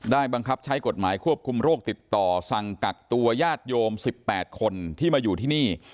บังคับใช้กฎหมายควบคุมโรคติดต่อสั่งกักตัวญาติโยม๑๘คนที่มาอยู่ที่นี่